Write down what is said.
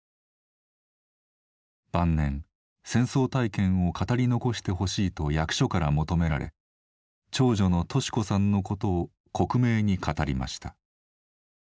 晩年戦争体験を語り残してほしいと役所から求められ長女の敏子さんのことを克明に語りました。